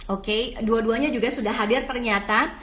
oke dua duanya juga sudah hadir ternyata